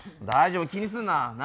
大丈夫、気にするな。